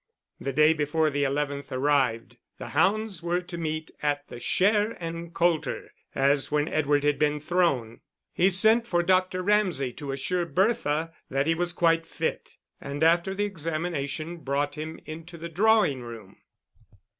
The day before the 11th arrived. The hounds were to meet at the Share and Coulter, as when Edward had been thrown. He sent for Dr. Ramsay to assure Bertha that he was quite fit; and after the examination, brought him into the drawing room.